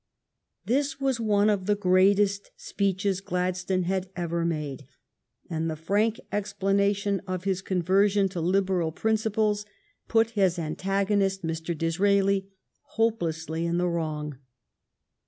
This was one of the greatest speeches Gladstone has ever made, and the frank explanation of his conversion to Liberal principles put his antagonist, Mr. Disraeli, hopelessly in the wrong.